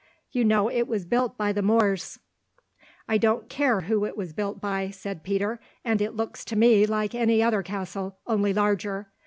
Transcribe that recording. You know, it was built by the Moors." "I don't care who it was built by," said Peter, "and it looks to me like any other castle, only larger.